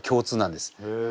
へえ。